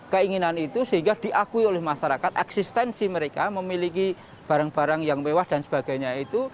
keinginan itu sehingga diakui oleh masyarakat eksistensi mereka memiliki barang barang yang mewah dan sebagainya itu